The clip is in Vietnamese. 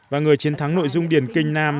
và người chiến thắng nội dung điền kinh nam